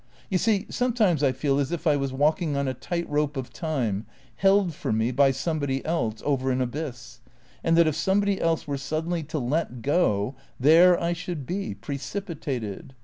" You see, sometimes I feel as if I was walking on a tight rope of time, held for me, by somebody else, over an abyss ; and that, if somebody else were suddenly to let go, there I should be — precipitated.